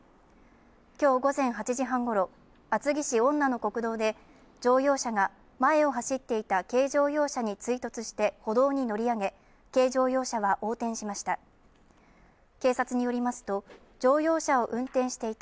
今日午前８時半ごろ厚木市恩名の国道で乗用車が前を走っていた軽乗用車に追突して歩道に乗り上げ、軽乗用車は横転しました。